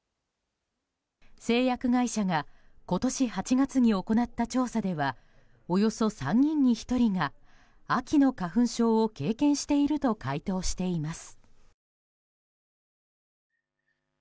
製薬会社が今年８月に行った調査ではおよそ３人に１人が秋の花粉症を経験していると回答しています。